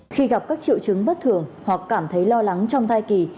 khi gặp các triệu chứng bất thường hoặc cảm thấy lo lắng trong thai kỳ